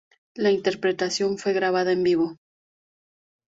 La interpretación fue grabada en vivo.